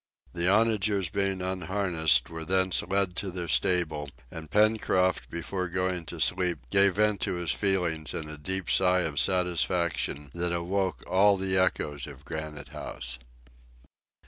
The onagers being unharnessed, were thence led to their stable, and Pencroft before going to sleep gave vent to his feelings in a deep sigh of satisfaction that awoke all the echoes of Granite House.